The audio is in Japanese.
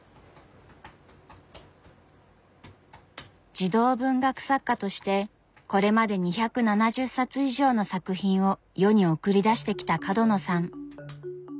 児童文学作家としてこれまで２７０冊以上の作品を世に送り出してきた角野さん。